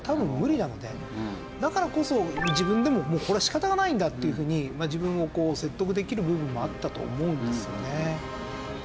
だからこそ自分でもこれは仕方がないんだっていうふうに自分をこう説得できる部分もあったと思うんですよね。